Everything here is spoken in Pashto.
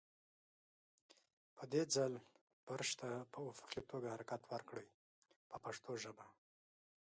په دې ځل برش ته په افقي توګه حرکت ورکړئ په پښتو ژبه.